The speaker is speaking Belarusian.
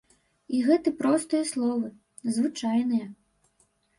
І гэты простыя словы, звычайныя.